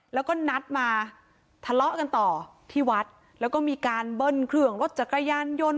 แล้วก็นัดมาทะเลาะกันต่อที่วัดแล้วก็มีการเบิ้ลเครื่องรถจักรยานยนต์